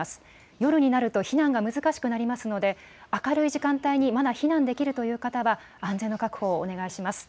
夜になると避難が難しくなりますので、明るい時間帯に、まだ避難できるという方は、安全の確保をお願いします。